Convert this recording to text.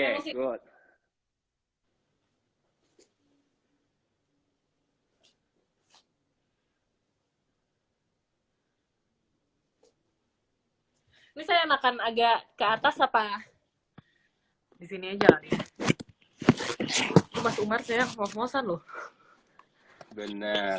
hai bisa makan agak ke atas apa disini aja mas umar sayang promosan loh bener